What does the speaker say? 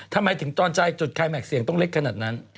ทำไมถึงตอนใจจุดคลายแม็กซเสียงต้องเล็กขนาดนั้น